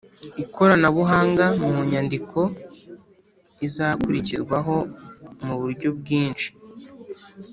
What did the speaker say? Ikoranabuhanga mu inyandiko izakirirwaho mu buryo bwinshi